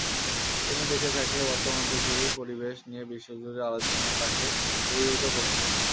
তিনি বেঁচে থাকলে বর্তমান পৃথিবীর পরিবেশ নিয়ে বিশ্বজুড়ে আলোচনা তাঁকে অভিভূত করত।